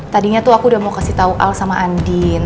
tadinya tuh aku udah mau kasih tau al sama andin